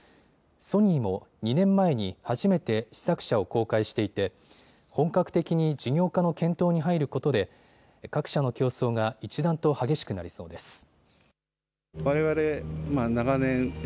ソニーも２年前に初めて試作車を公開していて本格的に事業化の検討に入ることで各社の競争が一段と激しくなりそうです。